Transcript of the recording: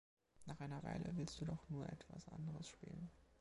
Nach einer Weile willst du doch nur etwas anderes spielen.